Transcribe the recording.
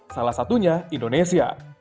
salah satunya indonesia